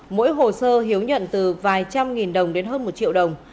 mỗi hồ sơ hiếu nhận từ vài trăm nghìn đồng đến hơn một triệu đồng